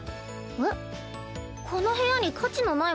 えっ？